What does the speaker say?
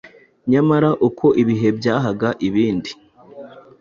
Nyamara uko ibihe byahaga ibindi,